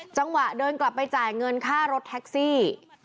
จังหวะเดินกลับไปจ่ายเงินค่ารถแท็กซี่